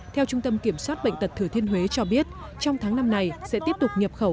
theo trung tâm kiểm soát bệnh tật thừa thiên huế cho biết trong tháng năm này sẽ tiếp tục nhập khẩu